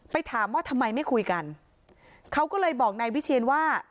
ถามว่าทำไมไม่คุยกันเขาก็เลยบอกนายวิเชียนว่า